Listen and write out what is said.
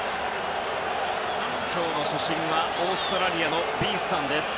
今日の主審はオーストラリアのビースさんです。